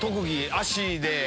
足で。